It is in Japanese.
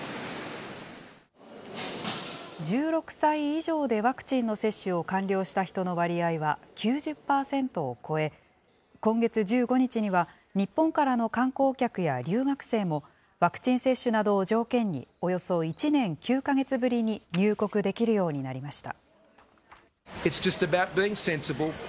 １６歳以上でワクチンの接種を完了した人の割合は９０％を超え、今月１５日には、日本からの観光客や留学生も、ワクチン接種などを条件に、およそ１年９か月ぶりに入国できるようになりました。